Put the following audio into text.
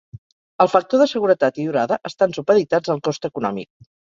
El factor de seguretat i durada estan supeditats al cost econòmic.